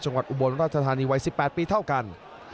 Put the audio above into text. จังหวัดอุบลราชธานีวัย๑๘ปีเท่ากัน